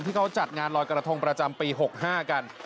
ที่เขาจัดงานลอยกระทงประจำปี๖๕กัน